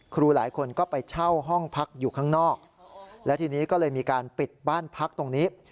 ครูหลายคนก็ไปเช่าห้องพักอยู่ข้างนอกและทีนี้ก็เลยมีการปิดบ้านพักตรงนี้